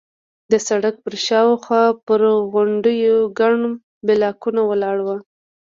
د سړک پر شاوخوا پر غونډیو ګڼ بلاکونه ولاړ وو.